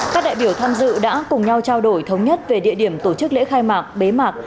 các đại biểu tham dự đã cùng nhau trao đổi thống nhất về địa điểm tổ chức lễ khai mạc bế mạc